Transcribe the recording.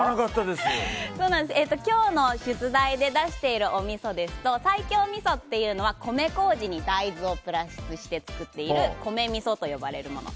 今日の出題で出しているおみそですと西京みそというのは米こうじに大豆をプラスして作っている米みそと呼ばれるもの。